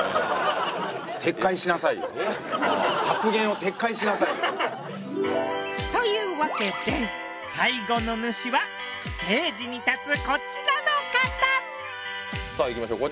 発言を撤回しなさいよというわけで最後の主はステージに立つこちらの方さあいきましょう